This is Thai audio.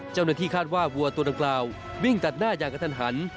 เจ้าหน้าที่คาดว่าวัวตัวดังกล่าววิ่งตัดหน้าอย่างกระทันหัน